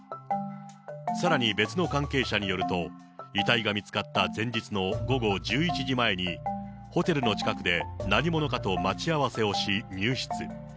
さらに別の関係者によると、遺体が見つかった前日の午後１１時前に、ホテルの近くで何者かと待ち合わせをし、入室。